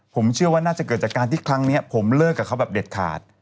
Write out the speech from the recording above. ผมเชื่อว่าน่าจะเกิดจากการที่ครั้งนี้ผมเลิกกับเขาแบบเด็ดขาด